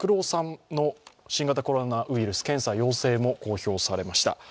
ＴＡＫＵＲＯさんの新型コロナウイルス検査陽性も公表されました。